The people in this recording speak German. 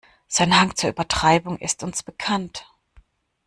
Sein Hang zur Übertreibung ist uns bekannt.